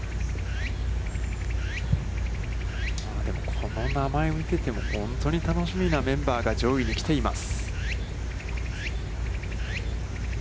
この名前を見てても、本当に楽しみなメンバーが、上位に来ています。